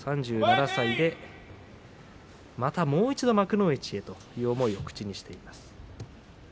３７歳で、またもう一度幕内へという思いを口にしています。